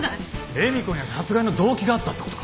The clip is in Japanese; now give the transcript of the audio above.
恵美子には殺害の動機があったって事か。